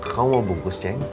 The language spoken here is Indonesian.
kamu mau bungkus ceng